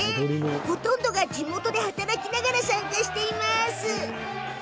ほとんどが地元で働きながら参加しています。